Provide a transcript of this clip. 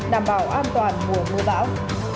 đảm bảo an toàn mùa mưa bão